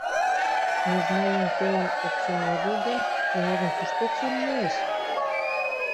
Нужна еҥ телым оксан огыл гын, кеҥежым кушто оксам муэш?